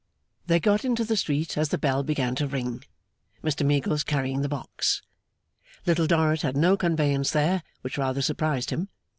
They got into the street as the bell began to ring, Mr Meagles carrying the box. Little Dorrit had no conveyance there: which rather surprised him.